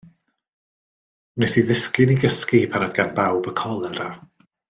Wnes i ddisgyn i gysgu pan oedd gan bawb y colera.